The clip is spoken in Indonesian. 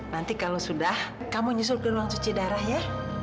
nanti kalau sudah kamu nyusul ke ruang cuci darah ya